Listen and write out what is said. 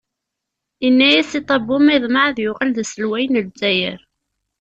Yenna-yas i Ṭabu ma yeḍmeε ad yuɣal d aselway n Lezzayer?